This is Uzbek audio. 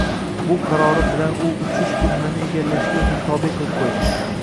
Bu qarori bilan u uchish ilmini egallashga o‘zini tobe qilib qo‘ygan